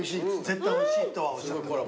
絶対おいしいとはおっしゃってる。